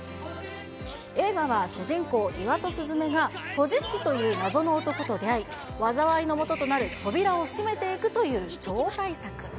映画は主人公、岩戸鈴芽が閉じ子という謎の男と出会い、災いのもととなる扉を閉めていくという超大作。